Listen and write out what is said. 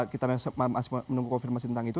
kita masih menunggu konfirmasi tentang itu